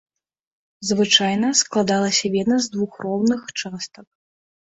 Звычайна, складалася вена з двух роўных частак.